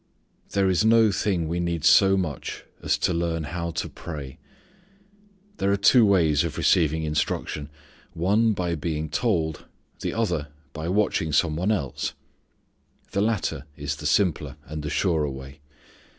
There is no thing we need so much as to learn how to pray. There are two ways of receiving instruction; one, by being told; the other, by watching some one else. The latter is the simpler and the surer way.